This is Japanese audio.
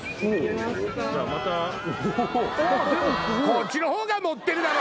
こっちの方が盛ってるだろ！